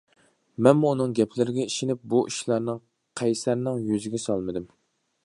مەنمۇ ئۇنىڭ گەپلىرىگە ئىشىنىپ بۇ ئىشلارنىڭ قەيسەرنىڭ يۈزىگە سالمىدىم.